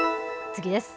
次です。